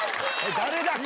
誰だっけ？